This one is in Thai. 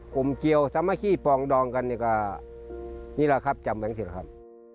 กลมเจียวสามะขี้ปองดองกันก็นี่แหละครับจำแหว่งเสียครับ